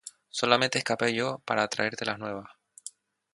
solamente escapé yo para traerte las nuevas.